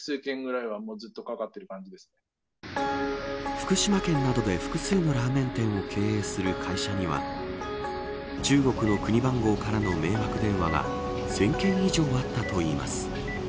福島県などで複数のラーメン店を経営する会社には中国の国番号からの迷惑電話が１０００件以上あったといいます。